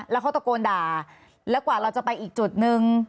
แล้วเขาตะโกนด่าแล้วกว่าเราจะไปอีกจุดนึง